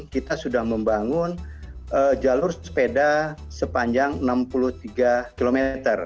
kita sudah membangun jalur sepeda sepanjang enam puluh tiga km